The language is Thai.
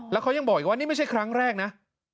แล้วเขายังบอกอีกว่านี่ไม่ใช่ครั้งแรกนะ